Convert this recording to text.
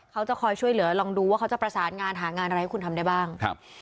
เขาจะคอยช่วยเหลือลองดูว่าเขาจะประสานงานหางานอะไรให้คุณทำได้บ้างครับ